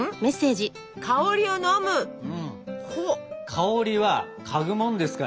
香りは嗅ぐもんですから。